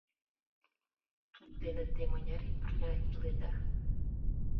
— Туддене те мыняр ий пырля иледа?